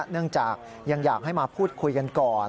เนื่องจากยังอยากให้มาพูดคุยกันก่อน